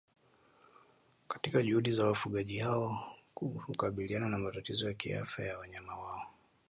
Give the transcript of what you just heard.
katika juhudi za wafugaji hao hukabiliana na matatizo ya kiafya ya wanyama wao